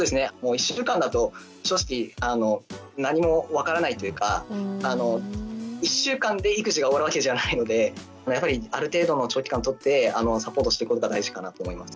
１週間だと正直何も分からないというか１週間で育児が終わるわけじゃないのでやっぱりある程度の長期間を取ってサポートしていくことが大事かなと思います。